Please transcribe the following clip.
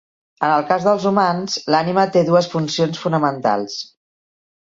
En el cas dels humans, l'ànima té dues funcions fonamentals.